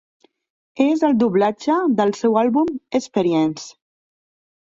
És el doblatge del seu àlbum "Experience".